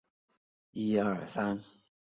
站前设单渡线。